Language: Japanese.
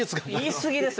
言いすぎです！